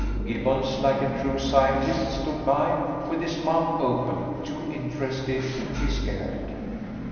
Gibbons, like a true scientist, stood by with his mouth open, too interested to be scared.